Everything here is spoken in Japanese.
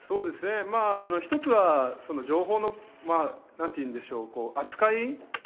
１つは、情報の扱い。